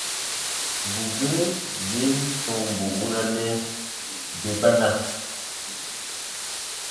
Bù gere yè n tɔmbu wunanɛ, bè ba na.